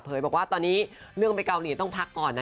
บอกว่าตอนนี้เรื่องไปเกาหลีต้องพักก่อนนะ